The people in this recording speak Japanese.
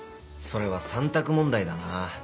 それは３択問題だな。